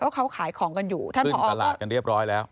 เขาขายของกันอยู่ท่านขึ้นตลาดกันเรียบร้อยแล้ว